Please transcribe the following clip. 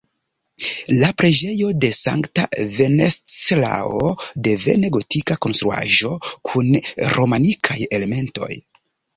La preĝejo de sankta Venceslao, devene gotika konstruaĵo kun romanikaj elementoj.